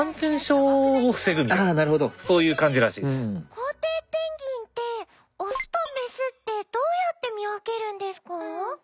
コウテイペンギンってオスとメスってどうやって見分けるんですか？